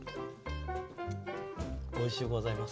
おいしゅうございます。